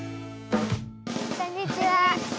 こんにちは。